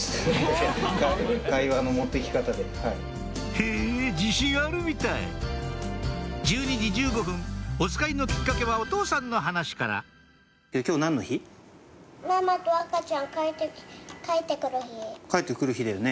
へぇ自信あるみたい１２時１５分おつかいのキッカケはお父さんの話から帰って来る日だよね。